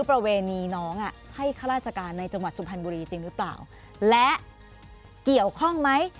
ประเวณีน้องอ่ะให้ข้าราชการในจังหวัดสุพรรณบุรีจริงหรือเปล่าและเกี่ยวข้องไหม